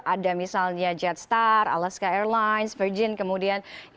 ada misalnya jetstar alaska airlines virgin kemudian